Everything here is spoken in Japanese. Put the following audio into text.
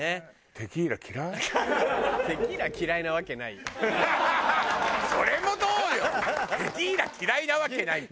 「テキーラ嫌いなわけない」って。